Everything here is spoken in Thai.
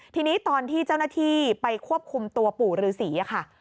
ทีนี้ตอนที่เจ้าหน้าที่ไปควบคุมตัวปู่ฤษีค่ะ